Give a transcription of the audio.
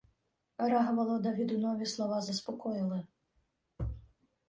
Рогволода відунові слова заспокоїли.